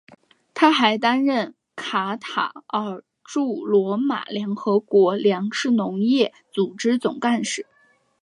他还担任卡塔尔驻罗马联合国粮食农业组织总干事。